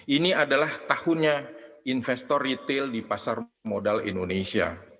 ini adalah tahunnya investor retail di pasar modal indonesia